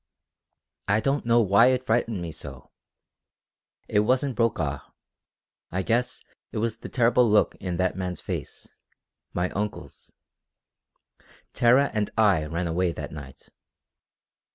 I don't know why it frightened me so. It wasn't Brokaw. I guess it was the terrible look in that man's face my uncle's. Tara and I ran away that night.